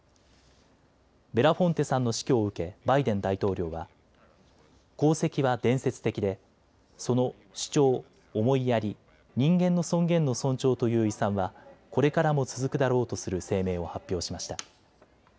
ベラフォンテさんの死去を受けバイデン大統領は功績は伝説的でその主張、思いやり、人間の尊厳の尊重という遺産はこれからも続くだろうとする声明を発表しました。